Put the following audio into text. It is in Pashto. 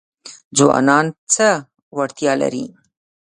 ځوانان څه وړتیا لري؟